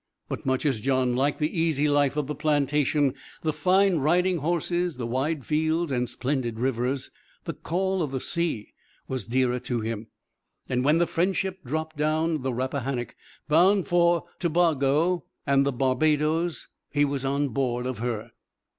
But much as John liked the easy life of the plantation, the fine riding horses, the wide fields and splendid rivers, the call of the sea was dearer to him, and when the Friendship dropped down the Rappahannock bound for Tobago and the Barbadoes he was on board of her.